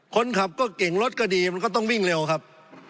คนขับก็เก่งรถก็ดีมันก็ต้องวิ่งเร็วครับ